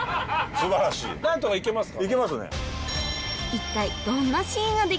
素晴らしい何とかいけますか？